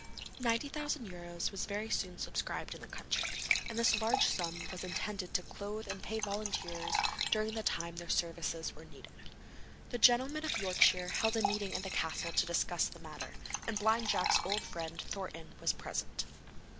£90,000 was very soon subscribed in the county, and this large sum was intended to clothe and pay volunteers during the time their services were needed. The gentlemen of Yorkshire held a meeting in the castle to discuss the matter, and Blind Jack's old friend, Thornton, was present.